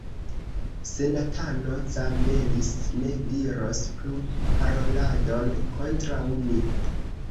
Senatano Zambelis ne diros plu paroladon kontraŭ ni.